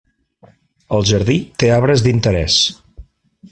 El jardí té arbres d'interès.